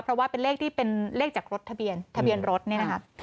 เพราะว่าเป็นเลขที่เป็นเลขจากรถทะเบียนทะเบียนรถเนี่ยนะคะ